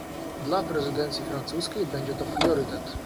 Dla prezydencji francuskiej będzie to priorytet